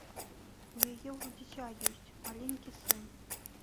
У яе ўжо дзіця ёсць, маленькі сын.